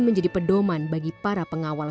menjadi pedoman bagi para pengawal